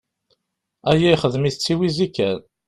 Aya ixdem-it d tiwizi kan.